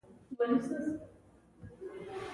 _دومره هم نه، له وېرې ورو کار کوي.